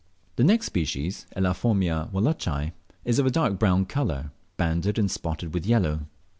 The next species (Elaphomia wallacei) is of a dark brown colour, banded and spotted with yellow.